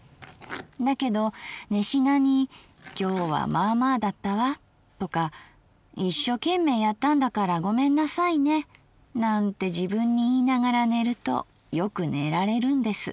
だけど寝しなに『今日はまあまあだったわ』とか『一所懸命やったんだからごめんなさいね』なんて自分に言いながら寝るとよく寝られるんです。